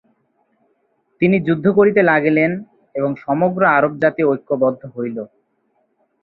তিনি যুদ্ধ করিতে লাগিলেন, এবং সমগ্র আরবজাতি ঐক্যবদ্ধ হইল।